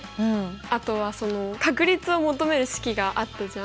あとは確率を求める式があったじゃん。